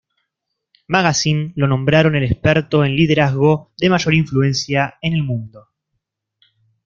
Magazine" lo nombraron el experto en Liderazgo de mayor influencia en el mundo.